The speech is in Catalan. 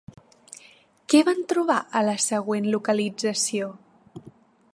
Què van trobar a la següent localització?